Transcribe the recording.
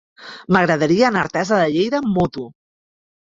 M'agradaria anar a Artesa de Lleida amb moto.